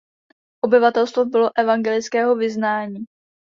Obyvatelstvo bylo evangelického vyznání.